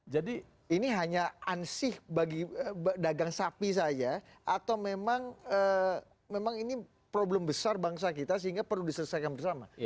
jadi ini hanya ansih bagi dagang sapi saja atau memang ini problem besar bangsa kita sehingga perlu diselesaikan bersama